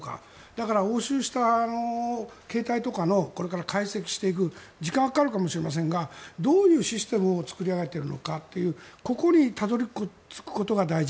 だから、押収した携帯とかのこれから解析していく時間はかかるかもしれませんがどういうシステムを作り上げているかというここにたどり着くことが大事。